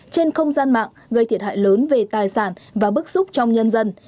trên không gian mạng gây thiệt hại lớn về tài sản và bức xúc trong nhân dân